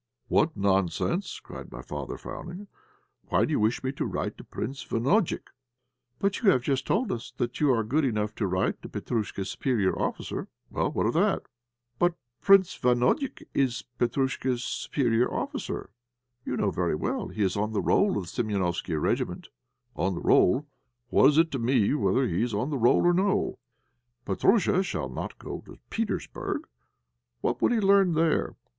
"What nonsense!" cried my father, frowning. "Why do you wish me to write to Prince Banojik?" "But you have just told us you are good enough to write to Petróusha's superior officer." "Well, what of that?" "But Prince Banojik is Petróusha's superior officer. You know very well he is on the roll of the Séménofsky regiment." "On the roll! What is it to me whether he be on the roll or no? Petróusha shall not go to Petersburg! What would he learn there?